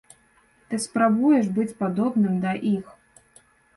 Ты спрабуеш быць падобным да іх.